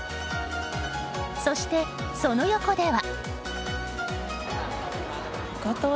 そして、その横では。